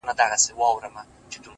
• اوبه به را سي پکښي به ځغلي ,